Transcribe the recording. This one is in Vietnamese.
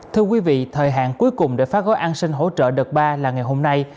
thưa quý vị thời hạn cuối cùng để phát gói an sinh hỗ trợ đợt ba là ngày hôm nay